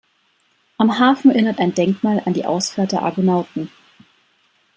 Am Hafen erinnert ein Denkmal an die Ausfahrt der Argonauten.